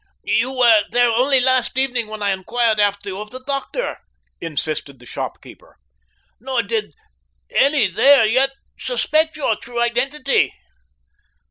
"You were there only last evening when I inquired after you of the doctor," insisted the shopkeeper, "nor did any there yet suspect your true identity."